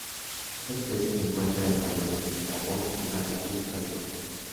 Esta especie se encuentra en Camerún, Gabón y la República del Congo.